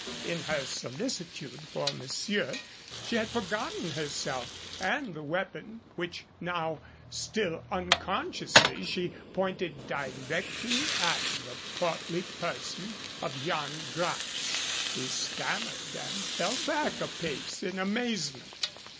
In her solicitude for monsieur she had forgotten herself and the weapon, which now, still unconsciously, she pointed directly at the portly person of Yan Gratz. He stammered and fell back a pace in amazement.